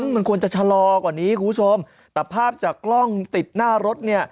มันควรจะชะลอกว่านี้คุณผู้ชมแต่ภาพจากกล้องติดหน้ารถเนี่ย